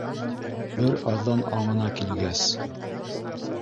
Бер аҙҙан аңына килгәс: